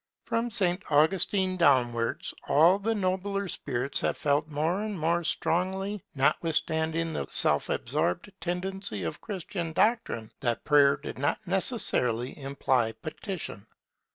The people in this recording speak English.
From St. Augustine downwards, all the nobler spirits have felt more and more strongly, notwithstanding the self absorbing tendencies of Christian doctrine, that Prayer did not necessarily imply petition.